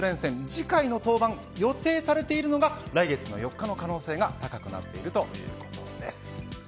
次回の登板、予定されているのが来月の４日の可能性が高くなっているということです。